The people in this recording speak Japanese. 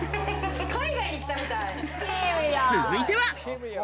続いては。